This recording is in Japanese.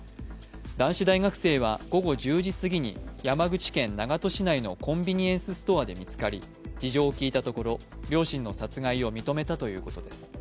男子大学生は、午後１０時すぎに山口県長門市内のコンビニエンスストアで見つかり事情を聴いたところ両親の殺害を認めたということです。